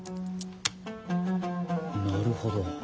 なるほど。